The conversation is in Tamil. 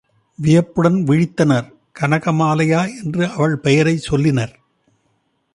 வியப்புடன் விழித்தனர் கனகமாலையா என்று அவள் பெயரைச் சொல்லினர்.